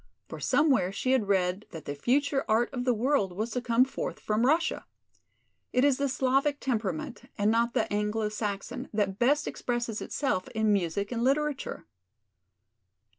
For somewhere she had read that the future art of the world was to come forth from Russia. It is the Slavic temperament and not the Anglo Saxon that best expresses itself in music and literature.